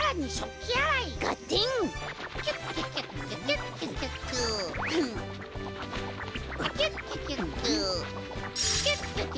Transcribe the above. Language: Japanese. キュッキュキュッキュキュッキュ。